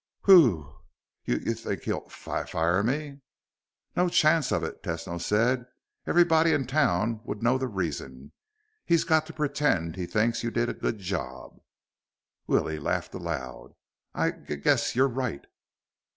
"Whew! You th think he'll f fire me?" "No chance of it," Tesno said. "Everybody in town would know the reason. He's got to pretend he thinks you did a good job." Willie laughed aloud. "I g guess you're right."